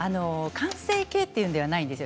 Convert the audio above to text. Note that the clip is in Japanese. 関係性というのではないんですよ。